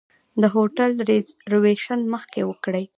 د هوټل ریزرویشن مخکې وکړئ.